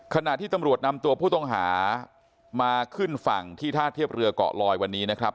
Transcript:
ขณะที่ตำรวจนำตัวผู้ต้องหามาขึ้นฝั่งที่ท่าเทียบเรือเกาะลอยวันนี้นะครับ